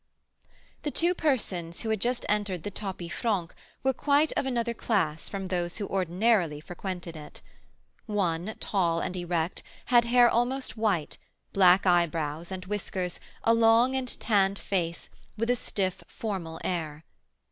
The two persons who had just entered the tapis franc were quite of another class from those who ordinarily frequented it. One, tall and erect, had hair almost white, black eyebrows and whiskers, a long and tanned face, with a stiff, formal air.